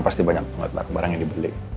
pasti banyak banget barang yang dibeli